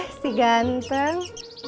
eh si ganteng